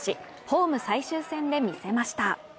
ホーム最終戦で見せました。